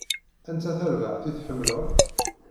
Anta tarbaɛt i tḥemmleḍ?